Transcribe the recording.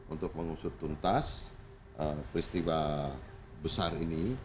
untuk mengusut tuntas peristiwa besar ini